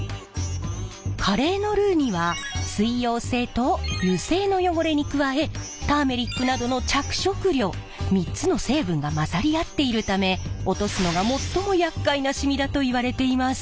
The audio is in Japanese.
カレーのルーには水溶性と油性の汚れに加えターメリックなどの着色料３つの成分が混ざり合っているため落とすのが最もやっかいなしみだといわれています。